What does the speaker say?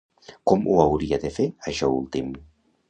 Com ho hauria de fer això últim?